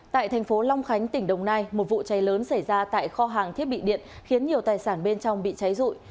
tại thành phố long khánh tỉnh đồng nai một vụ cháy lớn xảy ra tại kho hàng thiết bị điện khiến nhiều tài sản bên trong bị cháy rụi